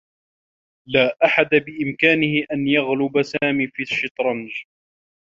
لا أحد بإمكانه أن يغلب سامي في الشّطرنج.